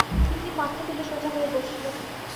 তিন্নি মাথা তুলে সোজা হয়ে বসল।